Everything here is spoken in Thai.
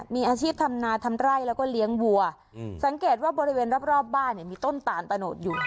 มีอาชีพทำนาทำไร่แล้วก็เลี้ยงวัวสังเกตว่าบริเวณรอบบ้านเนี่ยมีต้นตาลตะโนดอยู่